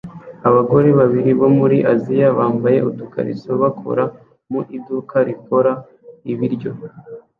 Abagore babiri bo muri Aziya bambaye udukariso bakora mu iduka rikora ibiryo